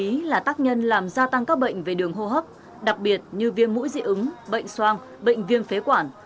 hệ biện dịch là tác nhân làm gia tăng các bệnh về đường hô hấp đặc biệt như viêm mũi dị ứng bệnh soan bệnh viêm phế quản